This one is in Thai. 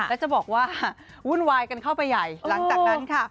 แล้วจะบอกว่าวุ่นวายกันเข้าไปใหญ่หลังจากนั้นค่ะ